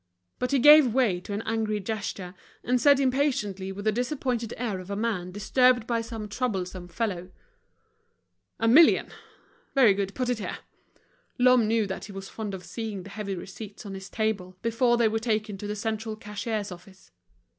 But he gave way to an angry gesture, and said impatiently, with the disappointed air of a man disturbed by some troublesome fellow: "A million! very good, put it there." Lhomme knew that he was fond of seeing the heavy receipts on his table before they were taken to the central cashier's office.